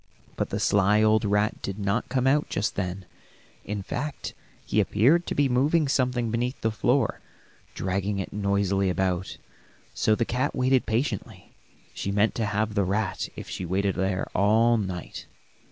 But the sly old rat did not come out just then; in fact he appeared to be moving something beneath the floor, dragging it noisily about. So the cat waited patiently; she meant to have the rat if she waited there all night.